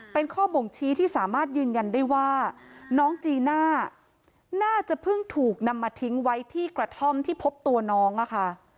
เป็นข้อบ่งชี้ที่สามารถยืนยันได้ว่าน้องจีน่าน่าจะเพิ่งถูกนำมาทิ้งไว้ที่กระท่อมที่พบตัวน้องอะค่ะ